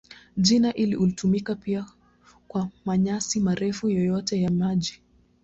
Jina hili hutumika pia kwa manyasi marefu yoyote ya maji.